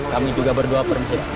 kami juga berdoa permisi